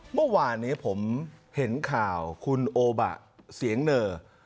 เมื่อวานนี้ผมเห็นข่าวคุณโอบะเสียงเนอร์